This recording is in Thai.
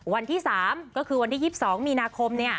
วันที่๓ก็คือวันที่๒๒มีนาคม